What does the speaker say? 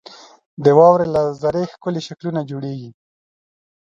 • د واورې له ذرې ښکلي شکلونه جوړېږي.